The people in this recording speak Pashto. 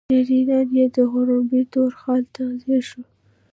سېرېنا يې د غومبري تور خال ته ځير شوه.